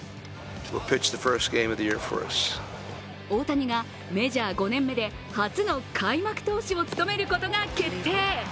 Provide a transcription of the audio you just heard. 大谷がメジャー５年目で初の開幕投手を務めることが決定。